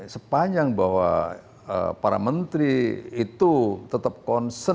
sepanjang bahwa para menteri itu tetap concern